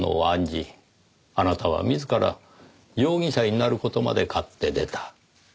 あなたは自ら容疑者になる事まで買って出た。